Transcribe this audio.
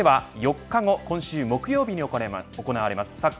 続いては４日後今週木曜日に行われます